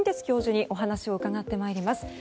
教授にお話を伺ってまいります。